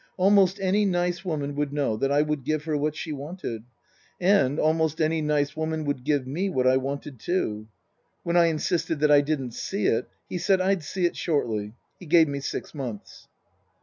Almost any nice woman would know that I would give her what she wanted. And almost any nice woman would give me what I wanted, too. When I insisted that I didn't see it, he said I'd see it shortly. He gave me six months.